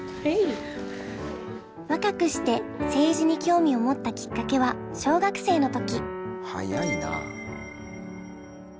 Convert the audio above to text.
若くして政治に興味を持ったきっかけは小学生の時。